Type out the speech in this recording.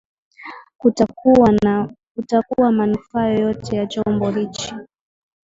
kutakuwa manufaa yoyote ya chombo hichi